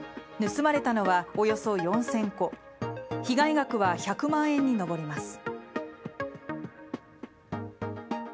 盗まれたのは、およそ４０００個被害額は１００万円に上ります。